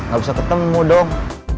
gak bisa ketemu dong